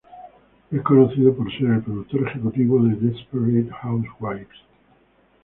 Es conocido por ser el productor ejecutivo de "Desperate Housewives".